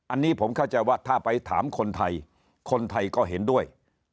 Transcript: อันนี้ผมเข้าใจว่าถ้าไปถามคนไทยคนไทยก็เห็นด้วย